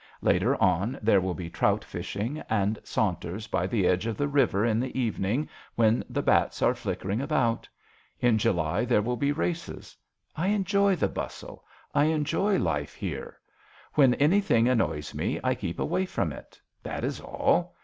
Later on there will be trout fishing JOHN SHERMAN. 33 and saunters by the edge of the river in the evening when the bats are flickering about. In July there will be races. I enjoy the bustle. I enjoy life here. When anything annoys me I keep away from it, that is all.